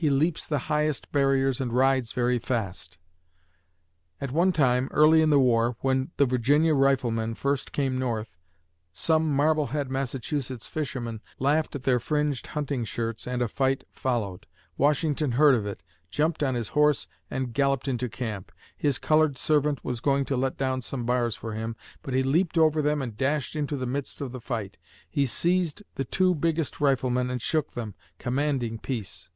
He leaps the highest barriers and rides very fast." At one time, early in the war, when the Virginia riflemen first came north, some Marblehead (Mass.) fishermen laughed at their fringed hunting shirts and a fight followed. Washington heard of it, jumped on his horse and galloped into camp. His colored servant was going to let down some bars for him, but he leaped over them and dashed into the midst of the fight. He seized the two biggest riflemen and shook them, commanding peace.